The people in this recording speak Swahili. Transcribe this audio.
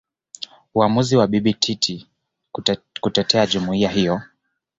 Uamuzi wa Bibi Titi kutetea jumuiya ya hiyo